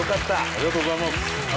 ありがとうございます。